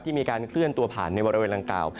มีการเคลื่อนตัวผ่านในบริเวณดังกล่าว